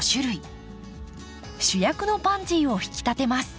主役のパンジーを引き立てます。